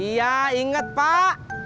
iya inget pak